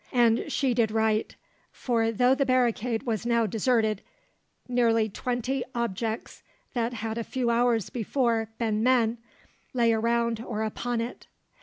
And she did right, for though the barricade was now deserted, nearly twenty objects that had a few hours before been men, lay around or upon it.